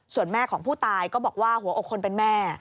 ส่วนแม่ของผู้ตายก็บอกว่าหัวอกคนเป็นแม่